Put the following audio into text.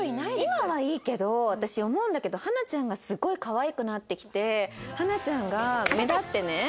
私思うんだけど花ちゃんがすごいかわいくなってきて花ちゃんが目立ってね